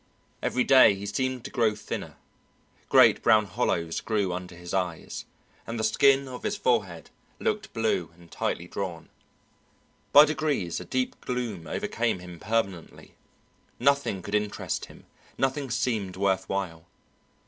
Every day he seemed to grow thinner, great brown hollows grew under his eyes, and the skin of his forehead looked blue and tightly drawn. By degrees a deep gloom overcame him permanently, nothing could interest him, nothing seemed worth while.